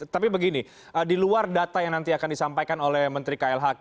tapi begini di luar data yang nanti akan disampaikan oleh menteri klhk